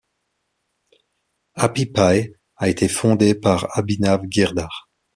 Appy Pie a été fondée par Abhinav Girdhar.